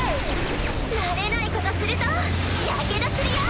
慣れないことするとやけどするよ！